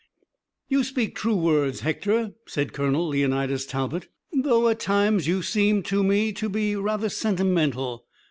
"You speak true words, Hector," said Colonel Leonidas Talbot, "though at times you seem to me to be rather sentimental.